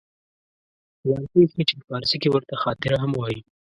ځان پېښې چې فارسي کې ورته خاطره هم وایي